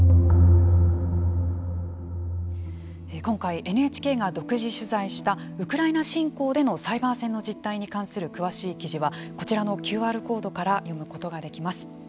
今回、ＮＨＫが独自取材したウクライナ侵攻でのサイバー戦の実態に関する詳しい記事はこちらのＱＲコードから読むことができます。